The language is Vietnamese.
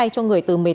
cho người từ mùa xuân